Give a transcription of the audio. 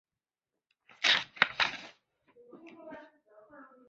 然而即使遮盖物很薄也可以减少热辐射造成的皮肤灼伤。